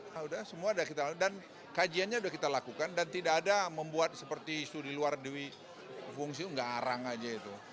sudah semua sudah kita lakukan dan kajiannya sudah kita lakukan dan tidak ada membuat seperti studi luar duit fungsi tidak arang saja itu